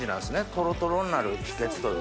トロトロになる秘訣という。